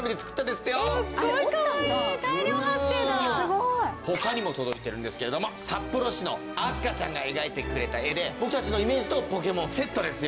すごい！他にも届いてるんですけれども札幌市のあすかちゃんが描いてくれた絵で僕たちのイメージとポケモンセットですよ。